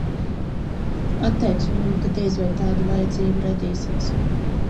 Atteicu viņam, ka diez vai tāda vajadzība radīsies.